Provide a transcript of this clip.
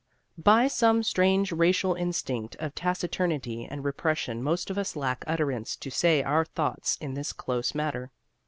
By some strange racial instinct of taciturnity and repression most of us lack utterance to say our thoughts in this close matter.